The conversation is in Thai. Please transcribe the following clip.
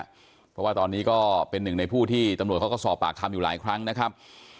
เพราะว่าตอนนี้ก็เป็นหนึ่งในผู้ที่ตำรวจเขาก็สอบปากคำอยู่หลายครั้งนะครับ